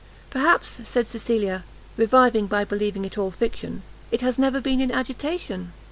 "Perhaps," said Cecilia, reviving by believing it all fiction, "it has never been in agitation?"